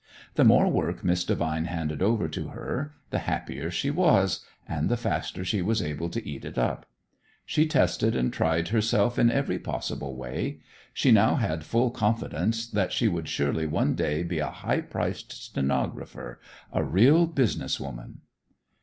The more work Miss Devine handed over to her the happier she was, and the faster she was able to eat it up. She tested and tried herself in every possible way. She now had full confidence that she would surely one day be a high priced stenographer, a real "business woman."